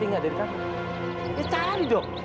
ya cari dong